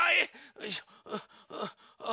よいしょ。